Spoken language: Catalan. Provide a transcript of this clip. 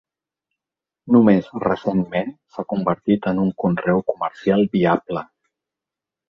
Només recentment s'ha convertit en un conreu comercial viable.